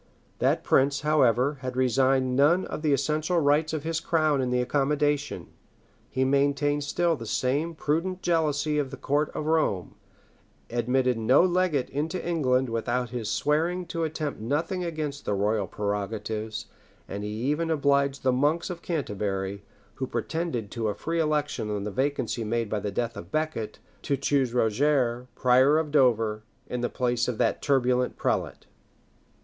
That prince, however, had resigned none of the essential rights of his crown in the accommodation: he maintained still the same prudent jealousy of the court of Rome; admitted no legate into England, without his swearing to attempt nothing against the royal prerogatives; and he had even obliged the monks of Canterbury, who pretended to a free election on the vacancy made by the death of Becket, to choose Roger, prior of Dover, in the place of that turbulent prelate.[*] [* Hoveden, p. 537.